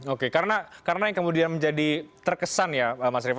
oke karena yang kemudian menjadi terkesan ya mas revo